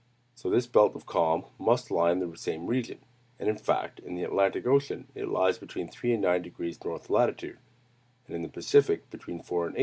So this belt of calms must lie in the same region; and, in fact, in the Atlantic ocean it lies between 3 and 9° north latitude, and in the Pacific, between 4 and 8°.